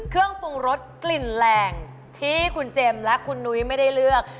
เครื่องปรุงรสกลิ่นแรงที่คุณเจมส์และคุณนุ้ยไม่ได้เลือก